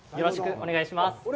お願いします。